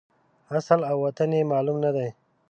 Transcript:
اصل او وطن یې معلوم نه دی.